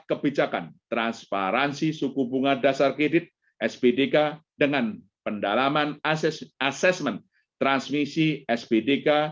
kebijakan transparansi suku bunga dasar kredit spdk dengan pendalaman assessment transmisi spdk